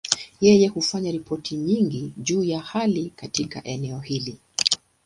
Yeye hufanya ripoti nyingi juu ya hali katika eneo hili.